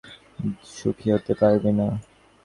অন্যরকম করে বাঁচতে গেলে তুই সুখী হতে পারবি না।